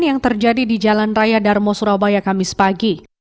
yang terjadi di jalan raya darmo surabaya kamis pagi